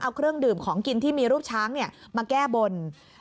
เอาเครื่องดื่มของกินที่มีรูปช้างมาแก้บน